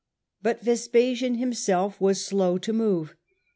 But Vespasian himself was slow to move.